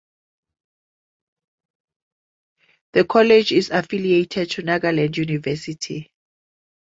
The college is affiliated to Nagaland University.